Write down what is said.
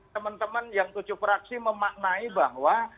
teman teman yang tujuh fraksi memaknai bahwa